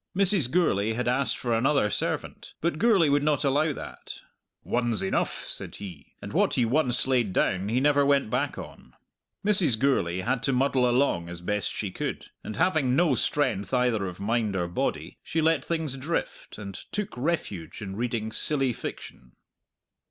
Mrs. Gourlay had asked for another servant, but Gourlay would not allow that; "one's enough," said he, and what he once laid down he never went back on. Mrs. Gourlay had to muddle along as best she could, and having no strength either of mind or body, she let things drift, and took refuge in reading silly fiction.